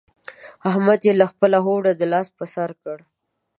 احمد يې له خپله هوډه لاس پر سر کړ.